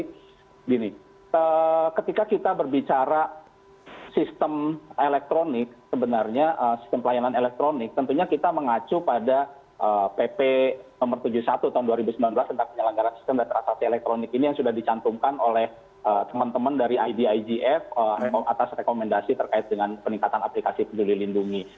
gini ketika kita berbicara sistem elektronik sebenarnya sistem pelayanan elektronik tentunya kita mengacu pada pp no tujuh puluh satu tahun dua ribu sembilan belas tentang penyalahgaran sistem dan terasasi elektronik ini yang sudah dicantumkan oleh teman teman dari idigf atas rekomendasi terkait dengan peningkatan aplikasi peduli lindungi